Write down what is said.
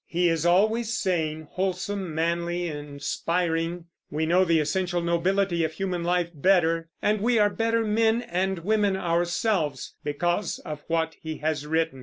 He is always sane, wholesome, manly, inspiring. We know the essential nobility of human life better, and we are better men and women ourselves, because of what he has written.